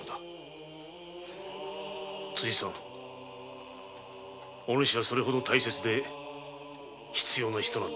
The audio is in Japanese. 辻さんお主はそれほど大切で必要な人なんだ。